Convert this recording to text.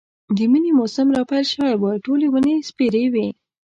د مني موسم را پيل شوی و، ټولې ونې سپېرې وې.